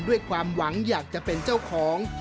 ด้วยความหวังอยากจะเป็นเจ้าของ